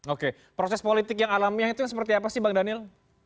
oke proses politik yang alamiah itu seperti apa sih bang daniel